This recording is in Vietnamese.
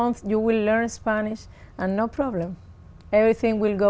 như các bạn đã thấy trong tin